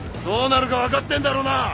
どうなるか分かってんだろうな！？